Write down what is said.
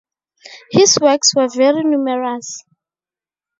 His works were very numerous.